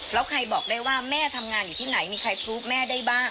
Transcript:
แล้วใครบอกได้ว่าแม่ทำงานอยู่ที่ไหนมีใครพลุแม่ได้บ้าง